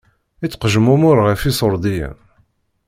Ittqejmumuṛ ɣef iṣuṛdiyen.